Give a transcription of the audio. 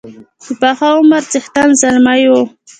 د پاخه عمر څښتن زلمی وو.